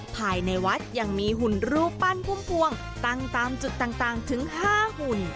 ภายในวัดยังมีหุ่นรูปปั้นพุ่มพวงตั้งตามจุดต่างถึง๕หุ่น